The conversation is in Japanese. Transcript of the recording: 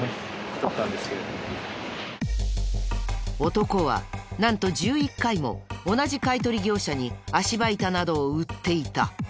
男はなんと１１回も同じ買取業者に足場板などを売っていた。